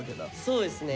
そうですね